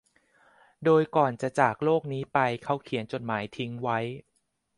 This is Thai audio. โดยก่อนจะจากโลกนี้ไปเขาเขียนจดหมายทิ้งไว้